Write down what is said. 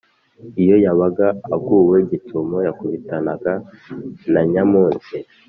iyo yabaga aguwe gitumo, yakubitanaga na Nyamunsi,